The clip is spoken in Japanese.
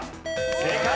正解！